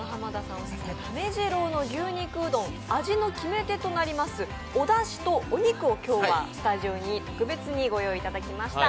オススメの為治郎の牛肉うどん、味の決め手となります、おだしとお肉を今日はスタジオに特別にご用意いただきました。